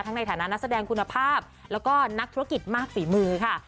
ในฐานะนักแสดงคุณภาพแล้วก็นักธุรกิจมากฝีมือค่ะ